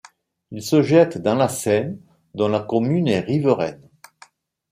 Il se jette dans la Seine dont la commune est riveraine.